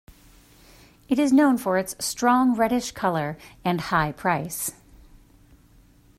It is known for its strong reddish color and high price.